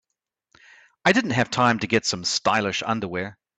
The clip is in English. I didn't have time to get some stylish underwear.